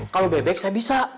kalo bebek saya bisa